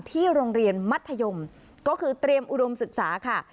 ที่โรงเรียนมัธยมก็คือเตรียมอุดมศึกษาค่ะ